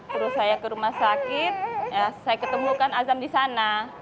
terus saya ke rumah sakit saya ketemukan azam di sana